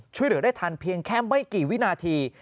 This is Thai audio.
ช่วยเหลือได้ทันเพียงแค่ไม่กี่วินาที